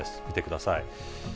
見てください。